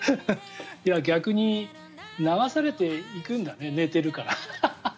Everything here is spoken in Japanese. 逆に流されていくんだね寝ているから。